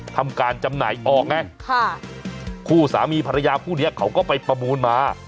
ทำการจำหน่ายออกไงค่ะคู่สามีภรรยาคู่นี้เขาก็ไปประมูลมา